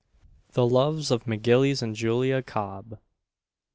THE LOVES OF M'GILLIES AND JULIA COB.